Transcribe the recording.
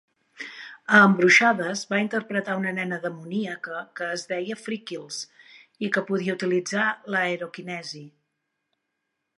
A "Embruixades" va interpretar una nena demoníaca que es deia Freckles i que podia utilitzar l'aerokinesis.